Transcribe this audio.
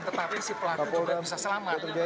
tetapi si pelaku tidak bisa selamat